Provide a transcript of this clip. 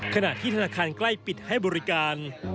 ขณะที่ธนาคารใกล้ปิดให้บริการ